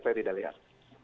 saya tidak lihat